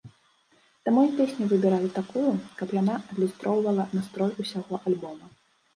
Таму і песню выбіралі такую, каб яна адлюстроўвала настрой усяго альбома.